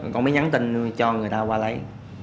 con mới nhắn tin cho người ta qua lấy